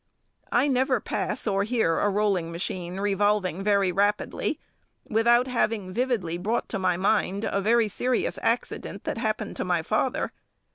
] I never pass or hear a rolling machine revolving very rapidly without having vividly brought to my mind a very serious accident that happened to my father.